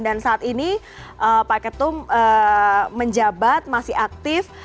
dan saat ini pak ketum menjabat masih aktif